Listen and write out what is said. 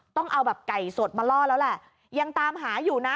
ต้องเอาแบบไก่สดมาล่อแล้วแหละยังตามหาอยู่นะ